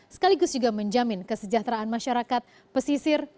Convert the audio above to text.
sekaligus juga menjamin kesejahteraan masyarakat pesisir